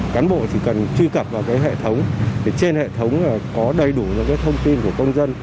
cán bộ chỉ cần truy cập vào hệ thống trên hệ thống có đầy đủ những thông tin của công dân